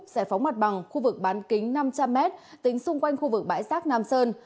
giải phóng mặt bằng khu vực bán kính năm trăm linh m tính xung quanh khu vực bãi rác nam sơn